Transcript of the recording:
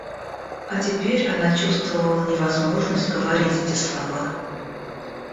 А теперь она чувствовала невозможность говорить эти слова.